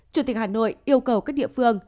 chủ tịch hà nội yêu cầu các địa phương